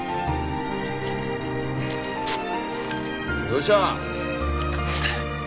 どうした？